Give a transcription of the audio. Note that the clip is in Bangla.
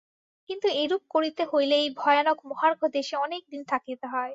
কিন্তু এরূপ করিতে হইলে এই ভয়ানক মহার্ঘ দেশে অনেক দিন থাকিতে হয়।